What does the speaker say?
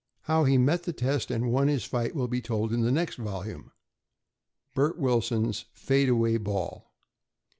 How he met the test and won his fight will be told in the next volume, "Bert Wilson's Fadeaway Ball."